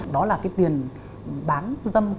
đó là cái tiền bán dâm